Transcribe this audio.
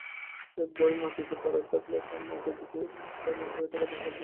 একটা বই মাটিতে পড়ে থাকলে টা মাটি থেকে তুলে মাথায় ঠেকাতে হয়।